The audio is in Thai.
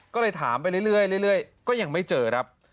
ก็เลยถามไปเรื่อยก็ยังไม่เจอครับ